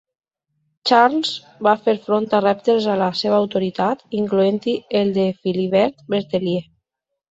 Charles va fer front a reptes a la seva autoritat, incloent-hi el de Philibert Berthelier.